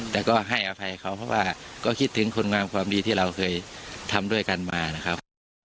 แต่ก็ให้อภัยเขาเพราะว่าก็คิดถึงคุณงามความดีที่เราเคยทำด้วยกันมานะครับ